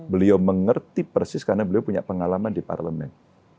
beliau mengerti persis karena beliau punya pengalaman di parlemen